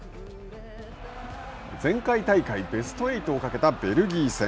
前回大会、ベスト８をかけたベルギー戦。